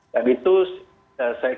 dan itu saya kira